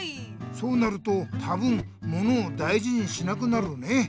そうなるとたぶんものをだいじにしなくなるね。